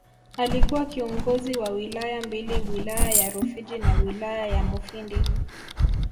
Alikuwa kiongozi wa Wilaya mbili Wilaya ya Rufiji na Wilaya ya Mufindi